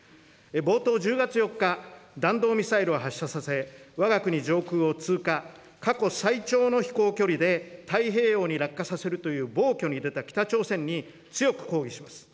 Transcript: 冒頭、１０月４日、弾道ミサイルを発射させ、わが国上空を通過、過去最長の飛行距離で太平洋に落下させるという暴挙に出た北朝鮮に、強く抗議します。